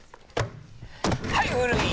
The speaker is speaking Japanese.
はい古い！